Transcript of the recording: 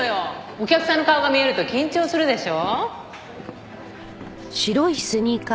「お客さんの顔が見えると緊張するでしょ」